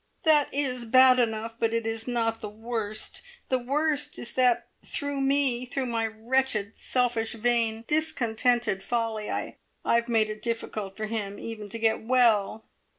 "That is bad enough, but it is not the worst. The worst is that through me through my wretched, selfish, vain, discontented folly, I I have made it difficult for him even to get well.